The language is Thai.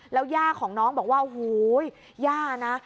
แล้วย่าของน้องบอกว่าโอ้โหย่านะ